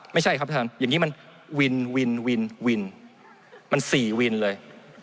ไม่ใช่ครับท่านประธานอย่างนี้มันวินมันสี่วินเลย